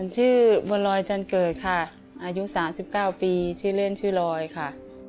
ชื่อบัวลอยจันเกิดค่ะอายุ๓๙ปีชื่อเล่นชื่อลอยค่ะ